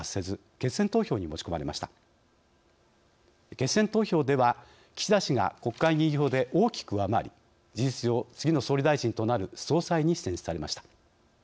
決選投票では岸田氏が国会議員票で大きく上回り事実上、次の総理大臣となる総裁に選出されました。